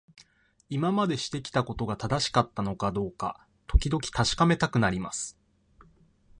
今までしてきたことが正しかったのかどうか、時々確かめたくなります。